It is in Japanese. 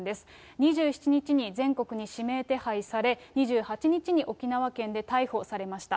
２７日に全国に指名手配され、２８日に沖縄県で逮捕されました。